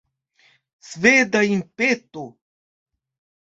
Sveda impeto!